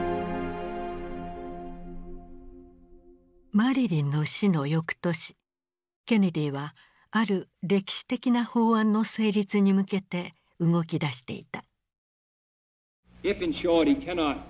マリリンの死の翌年ケネディはある歴史的な法案の成立に向けて動きだしていた。